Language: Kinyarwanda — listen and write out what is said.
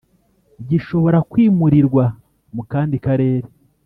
Gishobora kwimurirwa mu kandi Karere